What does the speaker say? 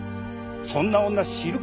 そんな女知るか。